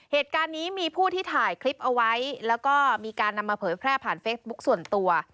เหตุการณ์นี้มีผู้ที่ถ่ายคลิปเอาไว้แล้วก็มีการนำมาเผยแพร่ผ่านเฟซบุ๊คส่วนตัว